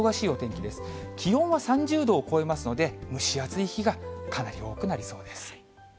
気温は３０度を超えますので、蒸し暑い日がかなり多くなりそうです。